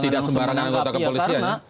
tidak sembarangan untuk kepolisian